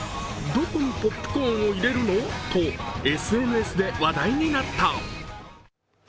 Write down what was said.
どこにポップコーンを入れるの？とＳＮＳで話題になった。